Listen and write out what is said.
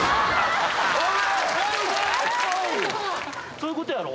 そういうことやろ？